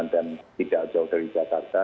dan tidak jauh dari jakarta